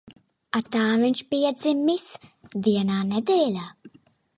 Ar tām viņš piedzimis vienā nedēļā.